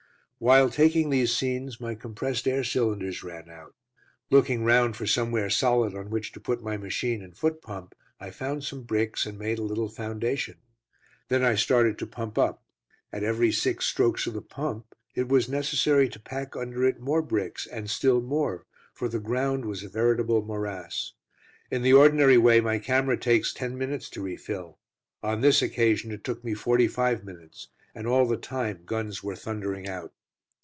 While taking these scenes, my compressed air cylinders ran out. Looking round for somewhere solid on which to put my machine and foot pump, I found some bricks, and made a little foundation. Then I started to pump up. At every six strokes of the pump, it was necessary to pack under it more bricks, and still more, for the ground was a veritable morass. In the ordinary way my camera takes ten minutes to refill. On this occasion it took me forty five minutes, and all the time guns were thundering out.